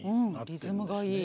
うんリズムがいい。